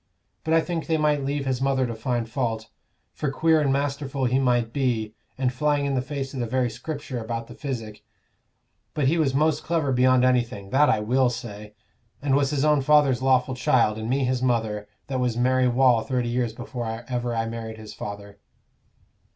But I think they might leave his mother to find fault; for queer and masterful he might be, and flying in the face of the very Scripture about the physic, but he was most clever beyond anything that I will say and was his own father's lawful child, and me his mother, that was Mary Wall thirty years before ever I married his father."